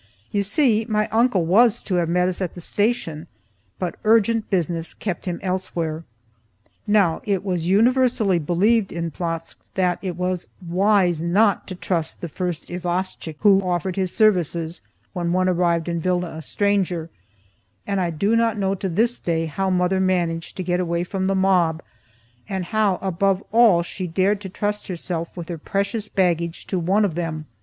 You see my uncle was to have met us at the station, but urgent business kept him elsewhere. Now it was universally believed in Plotzk that it was wise not to trust the first isvostchik who offered his services when one arrived in Vilna a stranger, and I do not know to this day how mother managed to get away from the mob and how, above all, she dared to trust herself with her precious baggage to one of them.